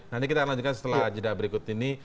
nanti kita lanjutkan setelah jeda berikut ini